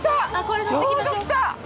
これ乗っていきましょう。